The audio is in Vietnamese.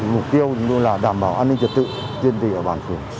mục tiêu luôn là đảm bảo an ninh trật tự tiên tỷ ở bàn thường